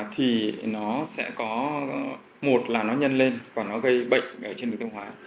thì nó sẽ có một là nó nhân lên và nó gây bệnh trên được tiêu hóa